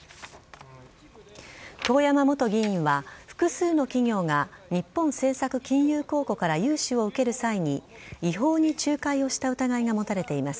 遠山元議員は複数の企業が日本政策金融公庫から融資を受ける際に違法に仲介をした疑いが持たれています。